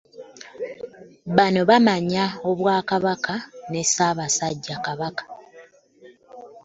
Bano bamanya Obwakabaka ne Ssaabasajja Kabaka